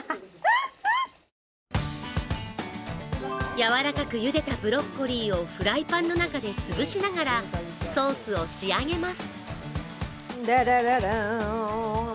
やわらかくゆでたブロッコリーをフライパンの中で潰しながらソースを仕上げます。